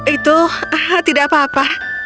itu tidak apa apa